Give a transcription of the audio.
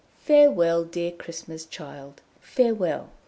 Farewell, dear Christmas Child, farewell!"